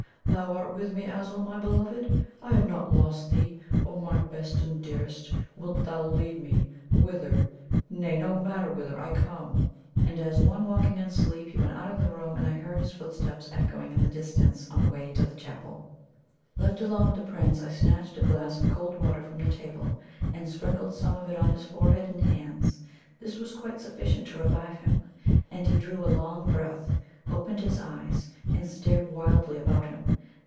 Thou art with me, Azul, my beloved? I have not lost thee, oh my best and dearest! Wilt thou lead me? Whither? Nay no matter whither I come!" And as one walking in sleep, he went out of the room, and I heard his footsteps echoing in the distance on the way to the chapel. Left alone with the Prince, I snatched a glass of cold water from the table, and sprinkled some of it on his forehead and hands. This was quite sufficient to revive him; and he drew a long breath, opened his eyes, and stared wildly about him.